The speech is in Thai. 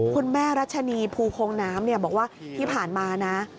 คุณแม่รัชนีภูคงน้ำบอกว่าที่ผ่านมานะ